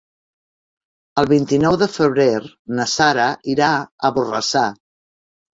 El vint-i-nou de febrer na Sara irà a Borrassà.